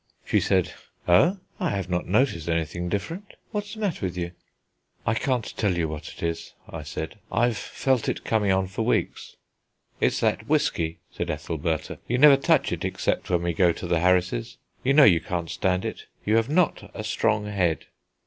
She said: "Oh! I have not noticed anything different; what's the matter with you?" "I can't tell you what it is," I said; "I've felt it coming on for weeks." "It's that whisky," said Ethelbertha. "You never touch it except when we go to the Harris's. You know you can't stand it; you have not a strong head."